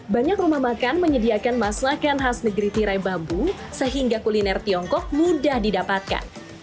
banyak rumah makan menyediakan masakan khas negeri tirai bambu sehingga kuliner tiongkok mudah didapatkan